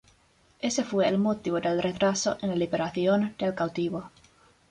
Ese fue el motivo del retraso en la liberación del cautivo.